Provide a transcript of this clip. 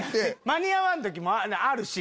間に合わん時もあるし。